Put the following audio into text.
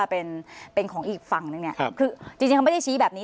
เป็นเป็นของอีกฝั่งหนึ่งเนี่ยครับคือจริงจริงเขาไม่ได้ชี้แบบนี้